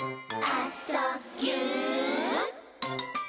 「あ・そ・ぎゅ」